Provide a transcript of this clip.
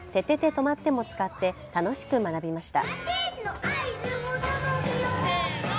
とまって！も使って楽しく学びました。